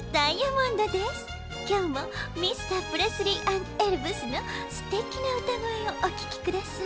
きょうもミスタープレスリー＆エルヴスのすてきなうたごえをおききください。